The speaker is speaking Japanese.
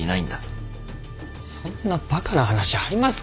そんなバカな話ありますかね。